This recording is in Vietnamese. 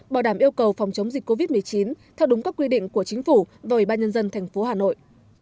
bảo đảm yêu cầu phòng chống dịch covid một mươi chín theo đúng các quy định của chính phủ và ủy ban nhân dân tp hà nội